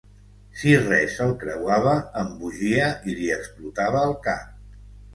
Si res el creuava, embogia i li explotava el cap.